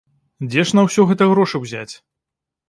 Дзе ж на ўсё гэта грошы ўзяць?